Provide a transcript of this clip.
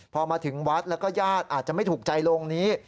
พอมาถึงวัดแล้วก็ญาติอาจจะไม่ถูกใจโรงนี้